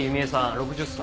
６０歳。